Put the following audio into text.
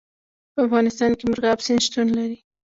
په افغانستان کې مورغاب سیند شتون لري.